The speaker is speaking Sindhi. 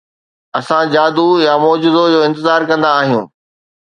اسان جادو يا معجزو جو انتظار ڪندا آهيون.